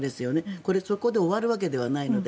これはそこで終わるわけではないので。